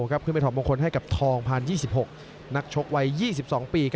ขึ้นไปถอดมงคลให้กับทองผ่าน๒๖นักชกวัย๒๒ปี